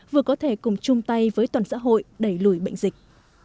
vừa có thể cùng chung tay với toàn xã hội đẩy lùi bệnh dịch